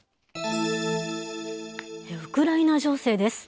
ウクライナ情勢です。